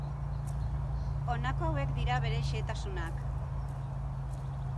Honako hauek dira bere xehetasunak.